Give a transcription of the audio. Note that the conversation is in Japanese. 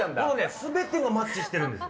全てがマッチしてるんです。